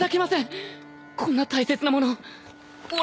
こんな大切なもの俺は。